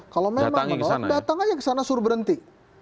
kalau memang menolak datang aja ke sana suruh berhenti